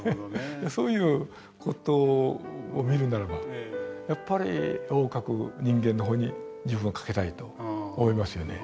そういう事を見るならばやっぱり絵を描く人間の方に自分はかけたいと思いますよね。